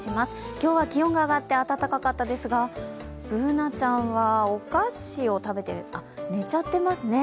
今日は気温が上がって暖かかったですがＢｏｏｎａちゃんはお菓子を食べているあっ、寝ちゃってますね。